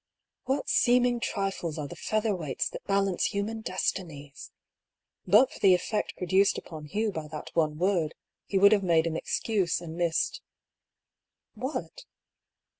What seeming trifles are the feather weights that balance human destinies ! But for the effect produced upon Hugh by that one word, he would have made an excuse, and missed What